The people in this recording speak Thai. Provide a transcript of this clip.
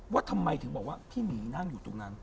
ว่าทำไมถึงบอกว่าพี่หมีนั่งอยู่ตรงนั้น